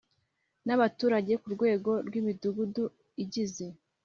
n abaturage ku rwego rw Imidugudu igize